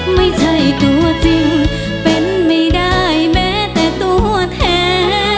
ไม่ใช่ตัวจริงเป็นไม่ได้แม้แต่ตัวแท้